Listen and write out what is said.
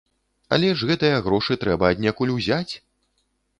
Але ж гэтыя грошы трэба аднекуль узяць!